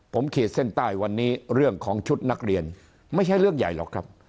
ผมขีดเส้นใต้วันนี้เรื่องของชุดนักเรียนไม่ใช่เรื่องใหญ่หรอกครับ